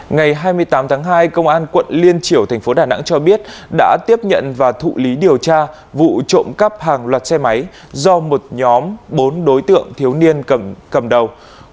ngày hai mươi tám tháng hai công an quận liên triểu thành phố đà nẵng cho biết đã tiếp nhận và thụ lý điều tra vụ trộm cắp hàng loạt xe máy do một nhóm bốn đối tượng thiếu niên cầm đầu